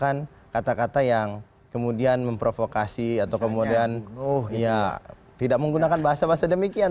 kita menggunakan kata kata yang kemudian memprovokasi atau kemudian tidak menggunakan bahasa bahasa demikian